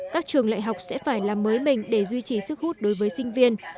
các trường đại học sẽ phải làm mới mình để duy trì sức hút đối với sinh viên